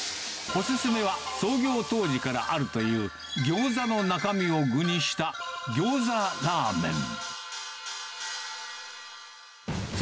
お勧めは、創業当時からあるという、ギョーザの中身を具にした餃子ラーメン。